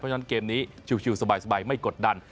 เพราะฉะนั้นเกมนี้ชิวสบายไม่กดดัน